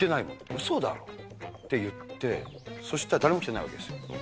うそだろって言って、そしたら誰も来てないわけですよ。